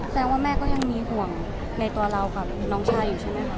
แปลว่าแม่ก็ยังมีห่วงในตัวเรากับน้องชายใช่ไหมครับ